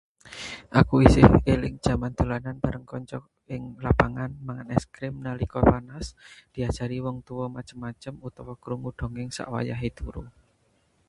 Aku isih eling jaman dolanan bareng kanca ing lapangan, mangan es krim nalika panas, diajari wong tuwa macem-macem, utawa krungu dongeng sak wayah turu.